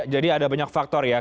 jadi ada banyak faktor ya